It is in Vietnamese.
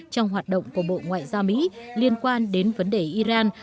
trong hoạt động của bộ ngoại giao mỹ liên quan đến vấn đề iran